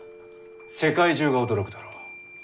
世界中が驚くだろう。